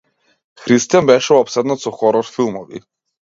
Христијан беше опседнат со хорор филмови.